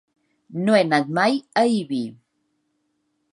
No he anat mai a Ibi.